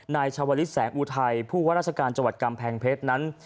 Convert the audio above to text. นายชาวลิศแสงอุทัยผู้ว่าราชการจังหวัดกำแพงเพชรนั้น